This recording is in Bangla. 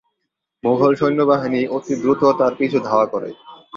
মুগল সৈন্যবাহিনী অতি দ্রুত তাঁর পিছু ধাওয়া করে।